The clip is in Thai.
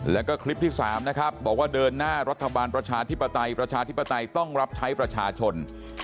แล้วก็คลิปที่๓นะครับบอกว่าเดินหน้ารัฐบาลประชาธิปไตยประชาธิปไตยต้องรับใช้ประชาชน